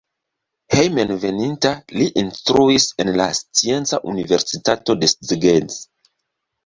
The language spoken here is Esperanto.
Hejmenveninta li instruis en la Scienca Universitato de Szeged.